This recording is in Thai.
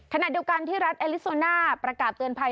ขณะเดียวกันที่รัฐแอลิโซน่าประกาศเตือนภัย